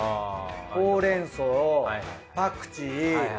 ほうれんそうパクチー。